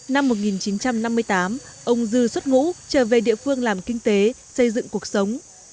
năm một nghìn chín trăm năm mươi tám ông dư xuất ngũ trở về địa phương làm kinh tế xây dựng cuộc sống